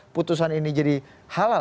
putusan ini jadi halal